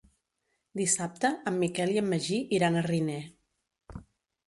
Dissabte en Miquel i en Magí iran a Riner.